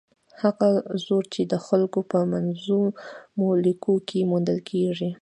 هغه زور چې د خلکو په منظمو لیکو کې موندل کېږي.